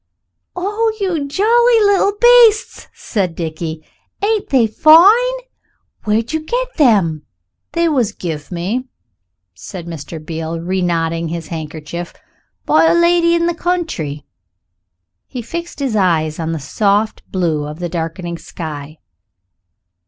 "Oh, the jolly little beasts!" said Dickie; "ain't they fine? Where did you get them?" "They was give me," said Mr. Beale, re knotting his handkerchief, "by a lady in the country." He fixed his eyes on the soft blue of the darkening sky.